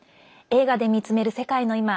「映画で見つめる世界のいま」。